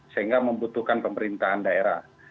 sehingga membutuhkan pemerintahan daerah